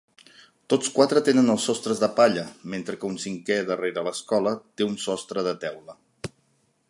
Tots quatre tenen els sostres de palla, mentre que un cinquè darrera l'escola té un sostre de teula.